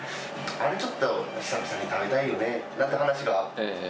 あれちょっと久々に食べたいよねなんて話があって。